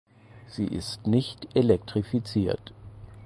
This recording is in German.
Sie ist nicht elektrifiziert.